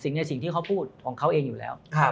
ในสิ่งที่เขาพูดของเขาเองอยู่แล้ว